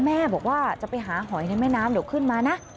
แม่บอกว่าจะไปหาหอยในแม่น้ำเดี๋ยวขึ้นมานะ